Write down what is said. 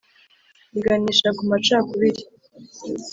Iganisha ku macakubiri